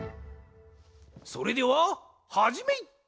それでははじめい！